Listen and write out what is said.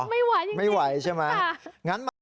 ไม่ไหวไม่ไหวใช่ไหม